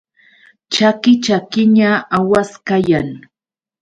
Chaki chakiña awas kayan.